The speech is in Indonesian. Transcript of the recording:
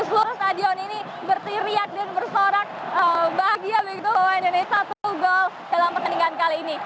seluruh stadion ini berteriak dan bersorak bahagia begitu bahwa indonesia satu gol dalam pertandingan kali ini